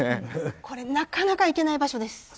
これなかなか行けない場所です。